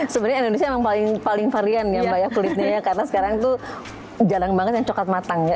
sebenarnya indonesia memang paling varian ya mbak ya kulitnya ya karena sekarang tuh jarang banget yang coklat matangnya